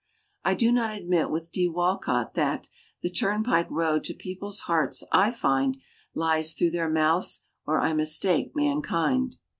I do not admit with Di Walcott that "The turnpike road to people's hearts I find Lies through their mouths, or I mistake mankind."